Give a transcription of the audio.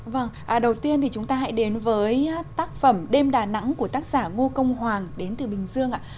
vâng đầu tiên thì chúng ta hãy đến với tác phẩm đêm đà nẵng của tác giả ngo công hoàng đến từ bình dương ạ